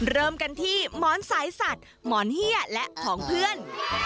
เริ่มกันที่หมอนสายสัตว์หมอนเฮียและของเพื่อน